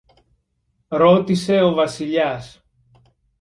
ρώτησε ο Βασιλιάς.